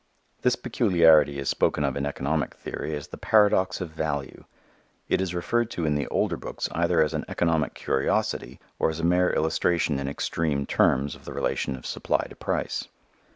This peculiarity is spoken of in economic theory as the paradox of value. It is referred to in the older books either as an economic curiosity or as a mere illustration in extreme terms of the relation of supply to price.